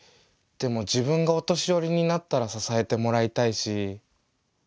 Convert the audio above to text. でも自分がお年寄りになったら支えてもらいたいし。